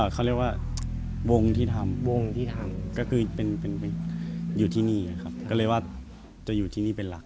เพราะว่าธุรกิจที่ทำก็คืออยู่ที่นี่เลยว่าอยู่ที่นี่เป็นหลัก